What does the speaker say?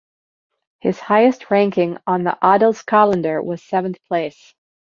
His highest ranking on the Adelskalender was seventh place.